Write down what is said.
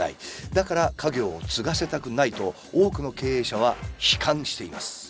だから家業を継がせたくないと多くの経営者は悲観しています。